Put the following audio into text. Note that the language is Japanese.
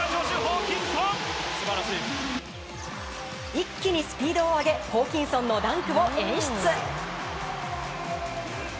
一気にスピードを上げホーキンソンのダンクを演出。